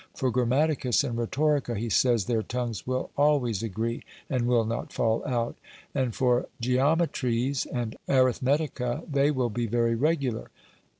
for Grammaticus and Rhetorica, he says, their tongues will always agree, and will not fall out; and for Geometres and Arithmetica, they will be very regular.